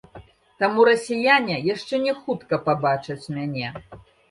Таму расіяне яшчэ не хутка пабачаць мяне.